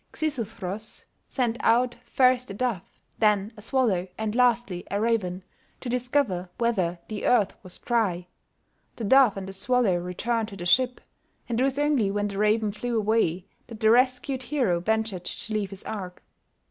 Xisuthros sent out first a dove, then a swallow, and lastly a raven, to discover whether the earth was dry; the dove and the swallow returned to the ship, and it was only when the raven flew away that the rescued hero ventured to leave his ark.